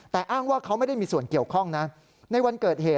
แต่อ้างว่าเขาไม่ได้มีส่วนเกี่ยวข้องนะ